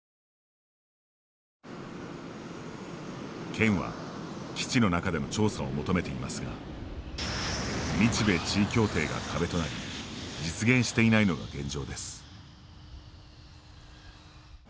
県は基地の中での調査を求めていますが日米地位協定が壁となり実現していないのが現状です。